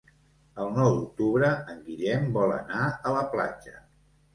El nou d'octubre en Guillem vol anar a la platja.